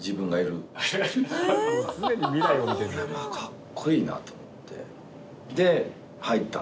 これはかっこいいなと思って。